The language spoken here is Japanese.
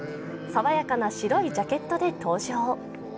さわやかな白いジャケットで登場。